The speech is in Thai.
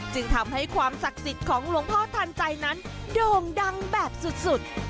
จึงทำให้ความศักดิ์สิทธิ์ของหลวงพ่อทันใจนั้นโด่งดังแบบสุด